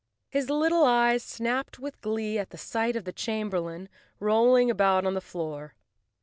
His little eyes snapped with glee at sight of the chamberlain rolling about on the floor.